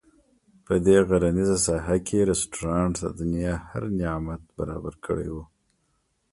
په دې غرنیزه ساحه کې رسټورانټ د دنیا هر نعمت برابر کړی وو.